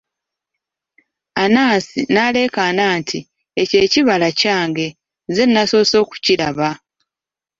Anansi n'aleekaana nti, ekyo ekibala kyange, nze nnasoose okukiraba!